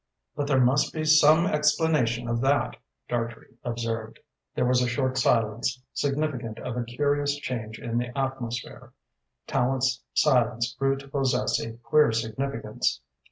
"But there must be some explanation of that," Dartrey observed. There was a short silence, significant of a curious change in the atmosphere. Tallente's silence grew to possess a queer significance.